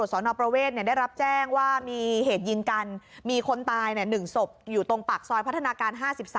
สนประเวทได้รับแจ้งว่ามีเหตุยิงกันมีคนตาย๑ศพอยู่ตรงปากซอยพัฒนาการ๕๓